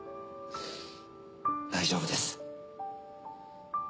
大丈夫です。